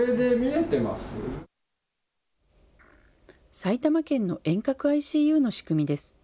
埼玉県の遠隔ＩＣＵの仕組みです。